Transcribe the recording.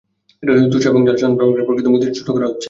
ভুয়া এবং জাল সনদ ব্যবহার করে প্রকৃত মুক্তিযোদ্ধাদের ছোট করা হচ্ছে।